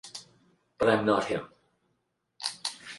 But I am not him.